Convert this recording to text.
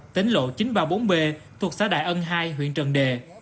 tính lộ chín trăm ba mươi bốn b thuộc xã đại ân hai huyện trần đề